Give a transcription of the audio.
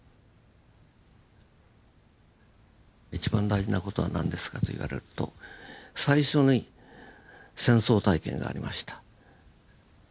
一番大事な事は何ですかと言われると最初に戦争体験がありました。